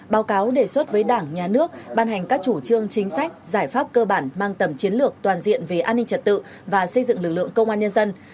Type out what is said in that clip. báo cáo đề xuất với đảng nhà nước ban hành các chủ trương chính sách giải pháp cơ bản mang tầm chiến lược toàn diện về an ninh trật tự và xây dựng lực lượng công an nhân dân